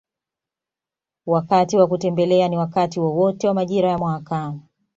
Wakati wa kutembelea ni wakati wowote wa majira ya mwaka